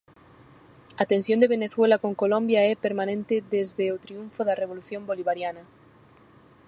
A tensión de Venezuela con Colombia é permanente desde o triunfo da revolución bolivariana.